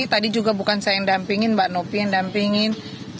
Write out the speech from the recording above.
tadi juga bukan saya yang dampingin mbak novi yang dampingin